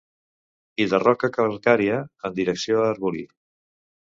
I de roca calcària, en direcció a Arbolí.